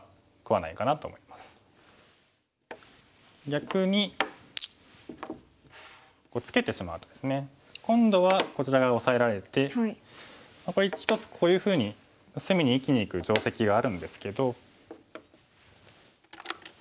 逆にツケてしまうとですね今度はこちら側オサえられてこれ一つこういうふうに隅に生きにいく定石があるんですけど。